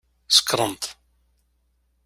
Sekṛent.